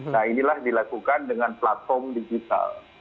nah inilah dilakukan dengan platform digital